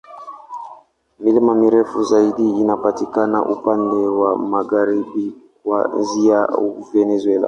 Milima mirefu zaidi inapatikana upande wa magharibi, kuanzia Venezuela.